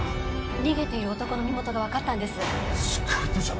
逃げている男の身元が分かったんです。